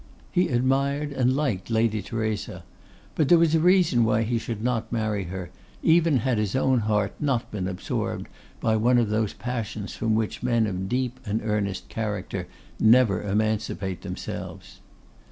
He admired and liked Lady Theresa; but there was a reason why he should not marry her, even had his own heart not been absorbed by one of those passions from which men of deep and earnest character never emancipate themselves.